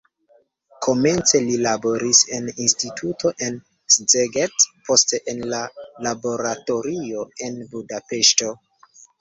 Komence li laboris en instituto en Szeged, poste en laboratorio en Budapeŝto.